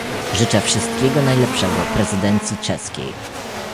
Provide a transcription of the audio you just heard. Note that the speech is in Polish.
Życzę wszystkiego najlepszego prezydencji czeskiej